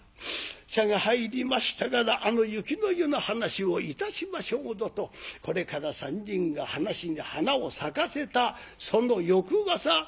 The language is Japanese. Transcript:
茶が入りましたからあの雪の夜の話をいたしましょうぞ」とこれから３人が話に花を咲かせたその翌朝。